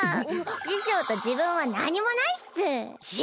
師匠と自分は何もないっス。